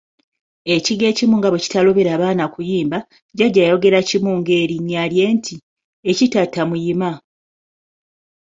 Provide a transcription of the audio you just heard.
Ekigwo ekimu nga bwe kitalobera baana kuyimba, Jjajja yayogera kimu ng'erinnya lye nti, "ekitatta muyima."